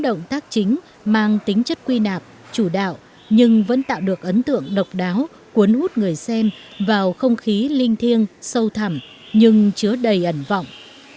động tác chính mang tính chất quy nạp chủ đạo nhưng vẫn tạo được ấn tượng độc đáo cuốn hút người xem vào không khí linh thiêng sâu thẳm nhưng chứa đầy ẩn vọng